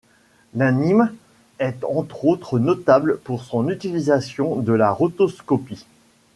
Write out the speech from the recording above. L'anime est entre autres notable pour son utilisation de la rotoscopie.